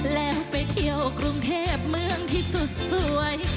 แล้วไปเที่ยวกรุงเทพเมืองที่สุดสวย